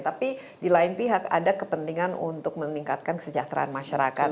tapi di lain pihak ada kepentingan untuk meningkatkan kesejahteraan masyarakat